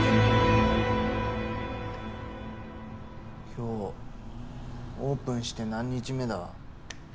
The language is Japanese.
今日オープンして何日目だ？